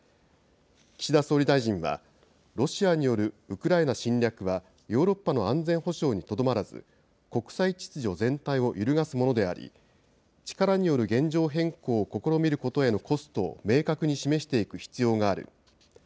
岸田総理大臣は、ロシアによるウクライナ侵略は、ヨーロッパの安全保障にとどまらず、国際秩序全体を揺るがすものであり、力による現状変更を試みることへのコストを明確に示していく必要がある。